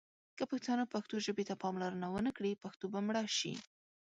که پښتانه پښتو ژبې ته پاملرنه ونه کړي ، پښتو به مړه شي.